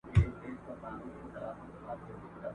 ځئ چي ځو او روانیږو لار اوږده د سفرونو !.